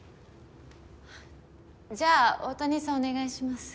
じゃあ大谷さんお願いします。